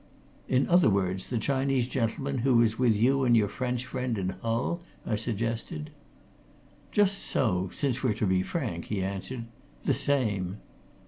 "In other words, the Chinese gentleman who was with you and your French friend in Hull?" I suggested. "Just so since we're to be frank," he answered. "The same."